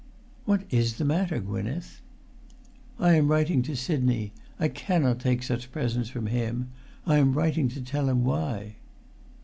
"What is the matter, Gwynneth?" "I am writing to Sidney. I cannot take such presents from him. I am writing to tell him why."